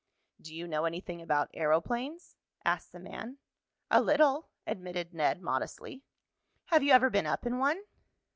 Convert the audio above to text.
"Do you know anything about aeroplanes?" asked the man. "A little," admitted Ned, modestly. "Have you ever been up in one?"